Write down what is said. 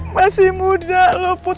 masih muda lo put